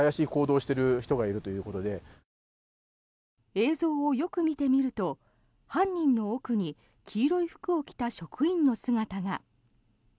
映像をよく見てみると犯人の奥に黄色い服を着た職員の姿が。